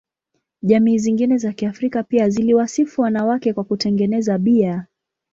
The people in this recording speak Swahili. Jamii zingine za Kiafrika pia ziliwasifu wanawake kwa kutengeneza bia.